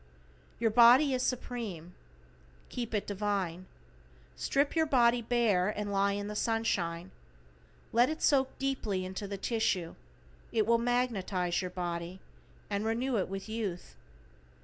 Your body is Supreme. Keep it divine. Strip your body bare and lie in the sunshine. Let it soak deeply into the tissue, it will magnetize your body, and renew it with youth.